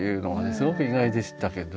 すごく意外でしたけど。